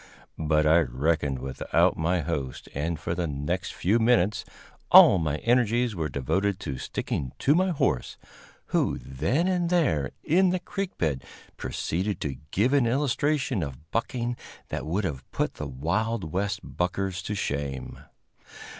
But I reckoned without my host, and for the next few minutes all my energies were devoted to sticking to my horse, who then and there in the creek bed proceeded to give an illustration of bucking that would have put the wild West buckers to shame.